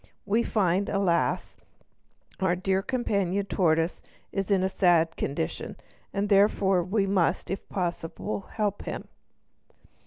We find, alas! our dear companion the tortoise is in a sad condition, and therefore we must, if possible, help him."